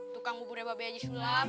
tukang kuburnya babi aja sulap